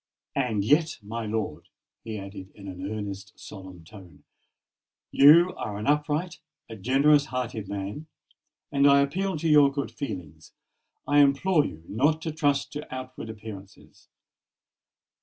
And yet, my lord," he added in an earnest, solemn tone, "you are an upright—a generous hearted man; and I appeal to your good feelings—I implore you not to trust to outward appearances.